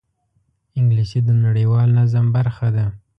انګلیسي د نړیوال نظم برخه ده